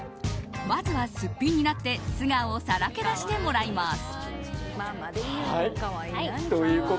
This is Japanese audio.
まずは、すっぴんになって素顔をさらけ出してもらいます。